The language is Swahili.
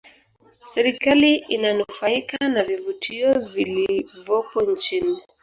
serikali inanufaika na vivutio vilivopo nchini